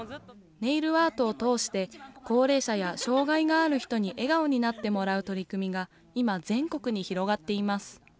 ネイルアートを通して高齢者や障害がある人に笑顔になってもらう取り組みが今全国に広がっています。